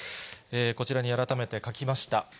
こちらに改めて書きました。